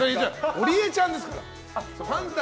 ゴリエちゃんですから。